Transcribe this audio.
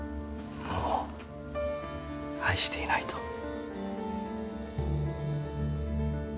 もう愛していないと？